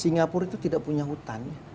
singapura itu tidak punya hutan